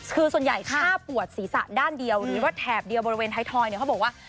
คือส่วนใหญ่ถ้าปวดศีรษะด้านเดียวหรือว่าแถบเดียวบริเวณไทยทอยเนี่ยเขาบอกว่า